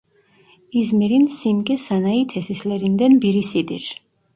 İzmir'in simge sanayi tesislerinden birisidir.